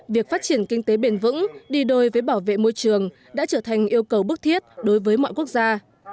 việc phát triển kinh tế bền vững đi đôi với bảo vệ môi trường đã trở thành yêu cầu bức thiết đối với mọi quốc gia